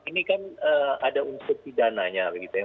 ini kan ada unsur pidananya gitu ya